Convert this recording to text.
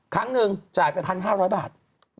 ครั้งหนึ่งจ่ายไป๑๕๐๐บาท